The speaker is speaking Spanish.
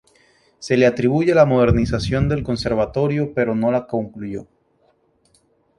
Se le atribuye la modernización del Conservatorio pero no la concluyó.